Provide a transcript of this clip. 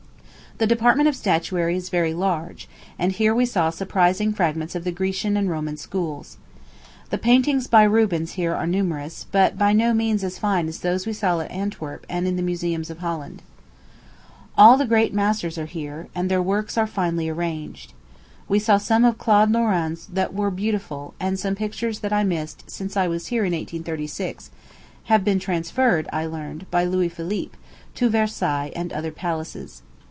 The department of statuary is very large; and here we saw surprising fragments of the Grecian and Roman schools. The paintings by Rubens here are numerous, but by no means as fine as those we saw at Antwerp and in the museums of Holland. All the great masters are here, and their works are finely arranged. We saw some of Claude Lorraine's that were beautiful; and some pictures that I missed, since I was here in 1836, have been transferred, I learn, by Louis Philippe, to Versailles and other palaces.